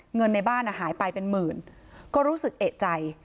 เงินในบ้านหายไปเป็นหมื่นก็รู้สึกเอกใจ